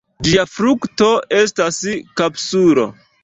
Ĝia frukto estas kapsulo.